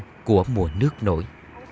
cái nam quang của mùa nước nổi